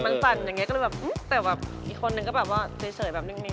มันสั่นอย่างเงี้ก็เลยแบบแต่แบบอีกคนนึงก็แบบว่าเฉยแบบนึง